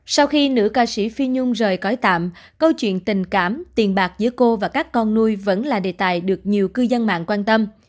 sau khi nữ ca sĩ phi nhung rời cõi tạm câu chuyện tình cảm tiền bạc giữa cô và các con nuôi vẫn là đề tài được nhiều cư dân mạng quan tâm